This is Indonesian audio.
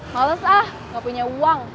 males ah nggak punya uang